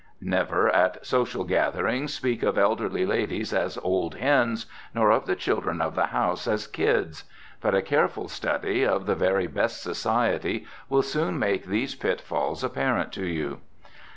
Never, at social gatherings, speak of elderly ladies as "old hens," nor of the children of the house as "kids." But a careful study of the very best society will soon make these pitfalls apparent to you.